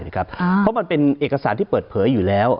เพราะมันเป็นเอกสารที่เปิดเผยอยู่แล้ว